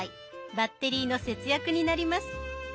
バッテリーの節約になります。